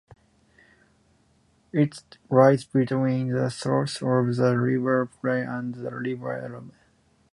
It lies between the sources of the River Plym and the River Erme.